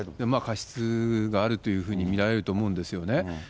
過失があるというふうに見られると思うんですよね。